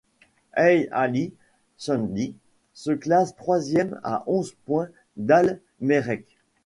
Al Ahly Shendi se classe troisième à onze points d'Al-Merreikh.